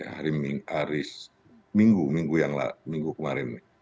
hari minggu kemarin